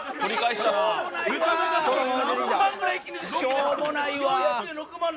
「しょうもないわ！」